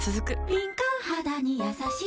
敏感肌にやさしい